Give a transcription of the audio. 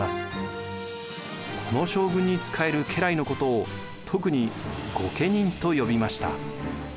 この将軍に仕える家来のことを特に御家人と呼びました。